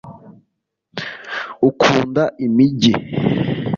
ukunda imigi